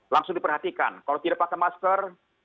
langsung diperhatikan kalau tidak pakai masker